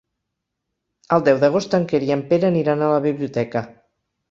El deu d'agost en Quer i en Pere aniran a la biblioteca.